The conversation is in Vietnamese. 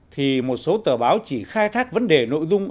thì một số tờ báo chỉ khai thác vấn đề nội dung